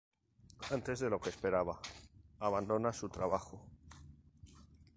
Antes de lo que espera, abandona su trabajo.